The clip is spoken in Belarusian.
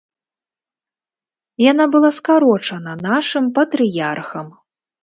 Яна была скарочана нашым патрыярхам.